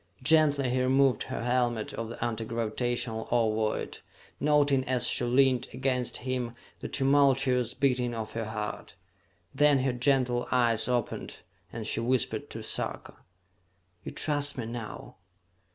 Gently he removed her helmet of the anti gravitational ovoid, noting as she leaned against him the tumultuous beating of her heart. Then her gentle eyes opened and she whispered to Sarka. "You trust me now?"